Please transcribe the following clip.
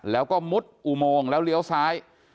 แล้วก็มุดอุโมงแล้วเลี้ยวซ้าย